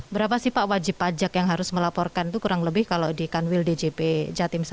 berapa sih pak wajib pajak yang harus melaporkan itu kurang lebih kalau di kanwil djp jatim satu